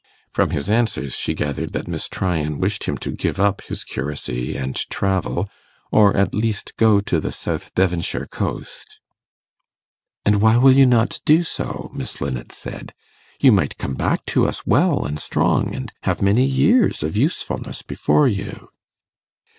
From his answers she gathered that Miss Tryan wished him to give up his curacy and travel, or at least go to the south Devonshire coast. 'And why will you not do so?' Miss Linnet said; 'you might come back to us well and strong, and have many years of usefulness before you.